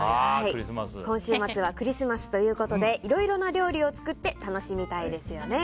今週末はクリスマスということでいろいろな料理を作って楽しみたいですよね。